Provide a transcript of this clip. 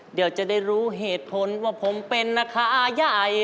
เดี๋ยวจะได้รู้เหตุผลว่าผมเป็นนาคาใหญ่